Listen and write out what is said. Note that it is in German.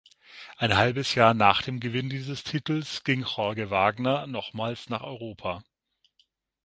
Ein halbes Jahr nach dem Gewinn dieses Titels ging Jorge Wagner nochmals nach Europa.